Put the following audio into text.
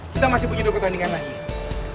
kita masih punya dua pertandingan lagi